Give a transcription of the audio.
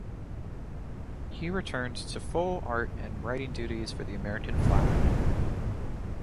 He returned to full art and writing duties for the American Flagg!